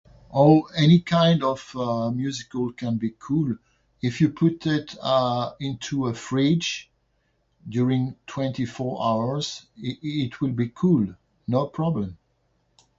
Oh, any kind of, uh, musical can be cool if you put it, uh, into a fridge during twenty four hours. It it would be cool, no problem.